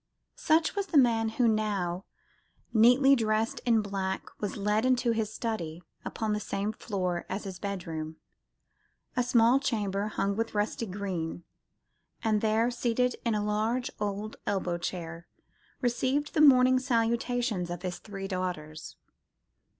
Such was the man who now, neatly dressed in black, was led into his study, upon the same floor as his bedroom, a small chamber hung with rusty green, and there, seated in a large old elbow chair, received the morning salutations of his three daughters.